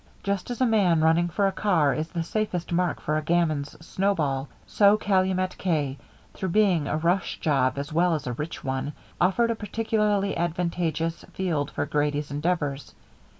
Just as a man running for a car is the safest mark for a gamin's snowball, so Calumet K, through being a rush job as well as a rich one, offered a particularly advantageous field for Grady's endeavors.